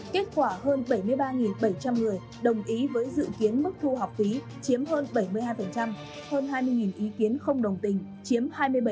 kết quả hơn bảy mươi ba bảy trăm linh người đồng ý với dự kiến mức thu học phí chiếm hơn bảy mươi hai hơn hai mươi ý kiến không đồng tình chiếm hai mươi bảy